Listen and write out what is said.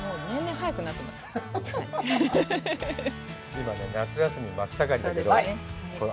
今ね夏休み真っ盛りだけどそうですね